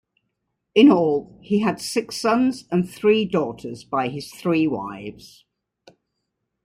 In all, he had six sons and three daughters by his three wives.